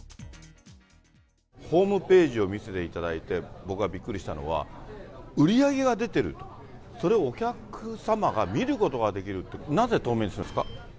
ホームページを見せていただいて、僕がびっくりしたのは、売り上げが出てる、それをお客様が見ることができるって、なぜ透明にするんですか？